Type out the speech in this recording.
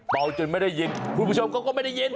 เบาจนไม่ได้เย็นคุณผู้ชมเขาก็ไม่ได้เย็น